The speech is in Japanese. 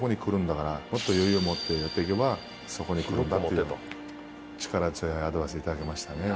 もっと余裕を持ってやって行けばそこに来るんだっていう力強いアドバイス頂けましたね。